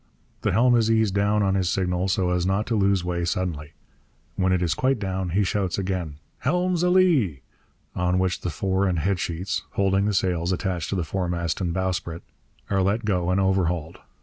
The helm is eased down on his signal, so as not to lose way suddenly. When it is quite down he shouts again, 'Helm's a lee!' on which the fore and head sheets (holding the sails attached to the foremast and bowsprit) are let go and overhauled.